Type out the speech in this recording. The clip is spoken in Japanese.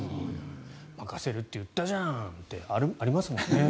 任せるって言ったじゃん！ってありますもんね。